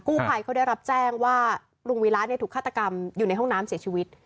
ภัยเขาได้รับแจ้งว่าลุงวีระเนี่ยถูกฆาตกรรมอยู่ในห้องน้ำเสียชีวิต